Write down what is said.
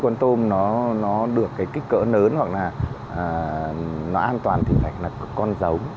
con tôm nó được cái kích cỡ lớn hoặc là nó an toàn thì phải là con giống